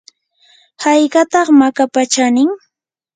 ¿haykataq makapa chanin?